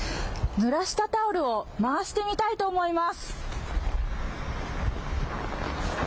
ぬらしたタオルを回してみたいと思います。